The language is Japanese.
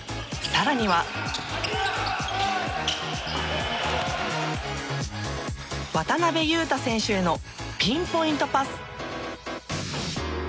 更には、渡邊雄太選手へのピンポイントパス。